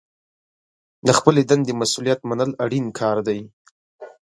د خپلې دندې مسوولیت منل اړین کار دی.